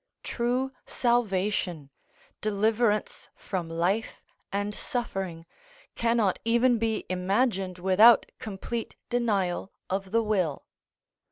True salvation, deliverance from life and suffering, cannot even be imagined without complete denial of the will.